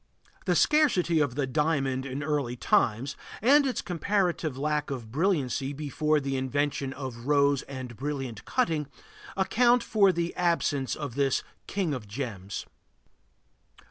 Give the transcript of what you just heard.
The scarcity of the diamond in early times, and its comparative lack of brilliancy before the invention of rose and brilliant cutting, account for the absence of this king of gems.